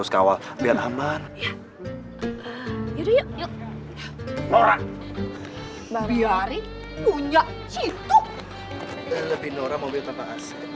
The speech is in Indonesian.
astagfirullahaladzim udah udah bangun